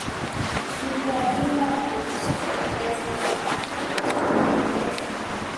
ni kuwalinda wananchi na kuleta mawa na kuuleta